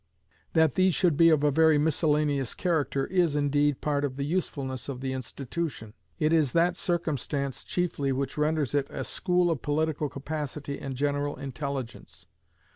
That these should be of a very miscellaneous character is, indeed, part of the usefulness of the institution; it is that circumstance chiefly which renders it a school of political capacity and general intelligence.